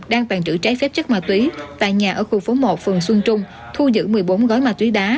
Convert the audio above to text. đang tàn trữ trái phép chất ma túy tại nhà ở khu phố một phường xuân trung thu giữ một mươi bốn gói ma túy đá